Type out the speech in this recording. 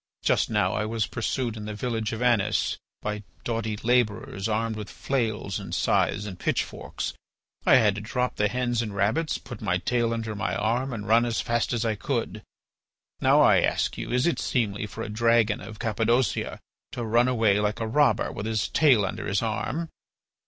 Just now I was pursued in the village of Anis by doughty labourers armed with flails and scythes and pitchforks. I had to drop the hens and rabbits, put my tail under my arm, and run as fast as I could. Now I ask you, is it seemly for a dragon of Cappadocia to run away like a robber with his tail under his arm?